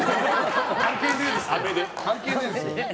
関係ねえですよ。